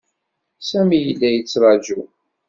Sami yella yettṛaju.